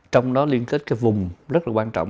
trong đó liên kết cái vùng rất là quan trọng